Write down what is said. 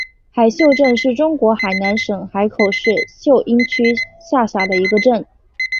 海秀镇是中国海南省海口市秀英区下辖的一个镇。